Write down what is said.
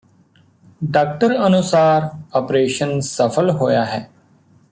doctor ਅਨੁਸਾਰ operation ਸਫਲ ਹੋਇਆ ਹੈ